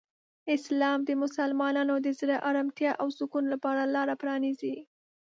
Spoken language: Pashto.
اسلام د مسلمانانو د زړه آرامتیا او سکون لپاره لاره پرانیزي.